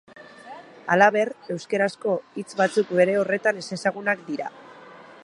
Halaber, euskarazko hitz batzuk bere horretan ezezagunak dira.